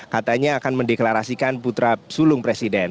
katanya akan mendeklarasikan putra sulung presiden